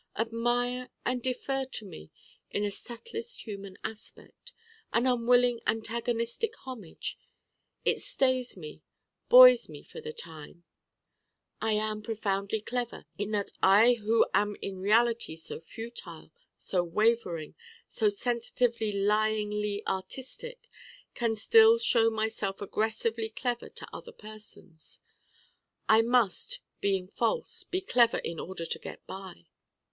people! admire and defer to me in a subtlest human aspect: an unwilling antagonistic homage. It stays me, buoys me for the time. I am profoundly Clever in that I who am in reality so futile, so wavering, so sensitively lyingly artistic, can still show myself aggressively Clever to other persons. I must, being false, be Clever in order to get by.